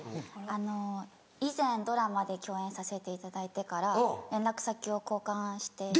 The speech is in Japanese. あの以前ドラマで共演させていただいてから連絡先を交換して。